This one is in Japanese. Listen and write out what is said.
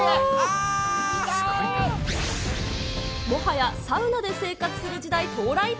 もはやサウナで生活する時代到来？